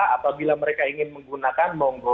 apabila mereka ingin menggunakan